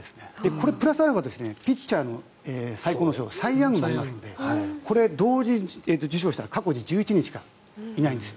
これプラスアルファとしてピッチャーの最高の賞サイ・ヤングもありますのでこれ、同時受賞したら過去に１１人しかいないんです。